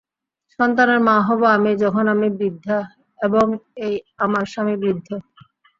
সন্তানের মা হব আমি যখন আমি বৃদ্ধা এবং এই আমার স্বামী বৃদ্ধ!